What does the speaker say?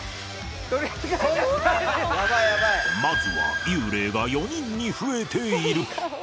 まずは幽霊が４人に増えている